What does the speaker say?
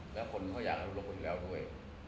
แต่คนก็อยากรบกวนทีแล้วด้วย